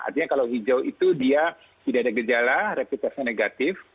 artinya kalau hijau itu dia tidak ada gejala rapid testnya negatif